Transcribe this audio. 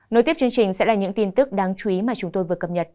nối tiếp chương trình sẽ là những tin tức đáng chú ý mà chúng tôi vừa cập nhật